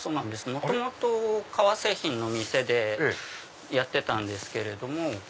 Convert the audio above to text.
元々革製品の店でやってたんですけれども。